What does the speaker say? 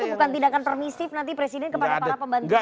itu bukan tindakan permisif nanti presiden kepada para pembantunya